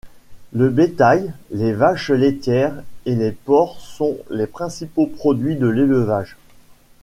Le bétail, les vaches laitières et les porcs sont les principaux produits de l'élevage.